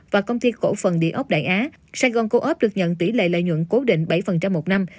và công ty cổ phần địa ốc đại á sài gòn co op được nhận tỷ lệ lợi nhuận cố định bảy một năm